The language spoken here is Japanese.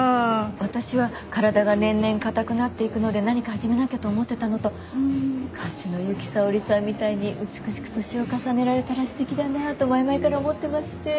私は体が年々硬くなっていくので何か始めなきゃと思ってたのと歌手の由紀さおりさんみたいに美しく年を重ねられたらすてきだなと前々から思ってまして。